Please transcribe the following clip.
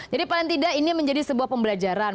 jadi paling tidak ini menjadi sebuah pembelajaran